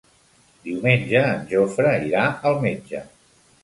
Diumenge en Jofre irà al metge.